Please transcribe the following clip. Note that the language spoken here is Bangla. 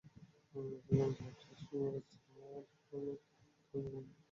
অধিকন্তু হাদীসটি মুরসাল হওয়ার কারণে এরূপ গুরুত্বপূর্ণ ব্যাপারে তা গ্রহণযোগ্য নয়।